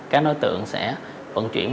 các đối tượng sẽ vận chuyển